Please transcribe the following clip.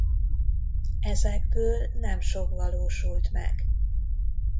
Ezekből nem sok valósult meg.